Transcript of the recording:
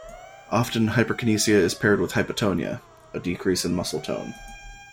Often, hyperkinesia is paired with hypotonia, a decrease in muscle tone.